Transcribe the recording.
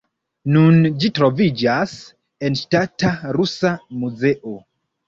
Nun ĝi troviĝas en Ŝtata Rusa Muzeo.